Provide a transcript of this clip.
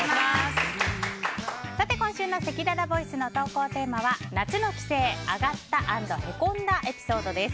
今週のせきららボイスの投稿テーマは夏の帰省アガった＆へこんだエピソードです。